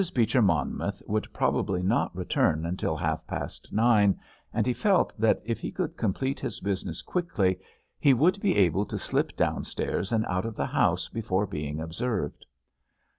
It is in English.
Beecher Monmouth would probably not return until half past nine, and he felt that if he could complete his business quickly he would be able to slip downstairs and out of the house before being observed.